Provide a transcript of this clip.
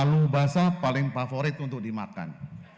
kalu basah paling favorit untuk dimakan